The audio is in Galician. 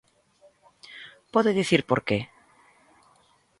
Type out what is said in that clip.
¿Pode dicir por que?